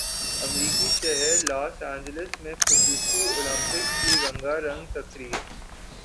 امریکی شہر Los Angeles میں خصوصی اولمپکس کی رنگا رنگ تقریب